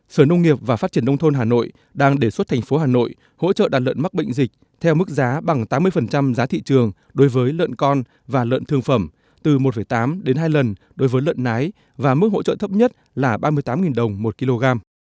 sở nông nghiệp và phát triển nông thôn hà nội đang đề xuất thành phố hà nội hỗ trợ đàn lợn mắc bệnh dịch theo mức giá bằng tám mươi giá thị trường đối với lợn con và lợn thương phẩm từ một tám đến hai lần đối với lợn nái và mức hỗ trợ thấp nhất là ba mươi tám đồng một kg